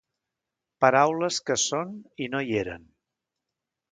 Paraules que són i no hi eren.